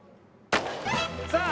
さあ。